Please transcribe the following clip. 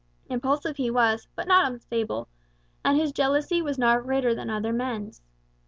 Impulsive he was, but not unstable, and his jealousy was not greater than other men's.